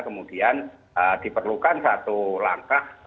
kemudian diperlukan satu langkah